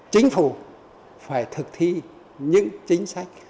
chính phủ phải thực thi những chính sách